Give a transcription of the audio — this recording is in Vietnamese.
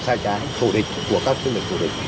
sai trái thủ địch của các chương trình thủ địch